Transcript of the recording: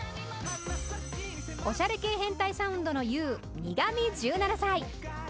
おしゃれ系変態サウンドの雄ニガミ１７才。